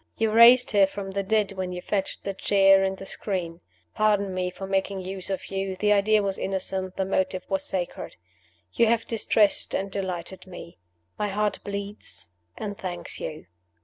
You raised her from the dead when you fetched the chair and the screen. Pardon me for making use of you: the idea was innocent, the motive was sacred. You have distressed and delighted me. My heart bleeds and thanks you."